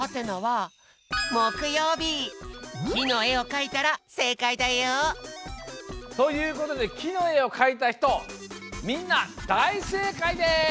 木の絵をかいたらせいかいだよ。ということで木の絵をかいたひとみんなだいせいかいです！